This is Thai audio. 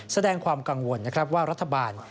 แสดงความกังวลว่ารัฐบาล